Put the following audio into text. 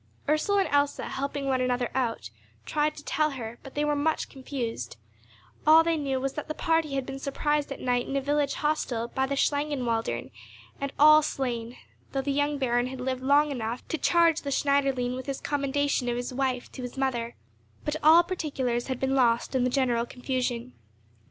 Ursel and Else helping one another out, tried to tell her, but they were much confused; all they knew was that the party had been surprised at night in a village hostel by the Schlangenwaldern, and all slain, though the young Baron had lived long enough to charge the Schneiderlein with his commendation of his wife to his mother; but all particulars had been lost in the general confusion.